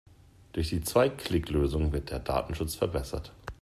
Durch die Zwei-Klick-Lösung wird der Datenschutz verbessert.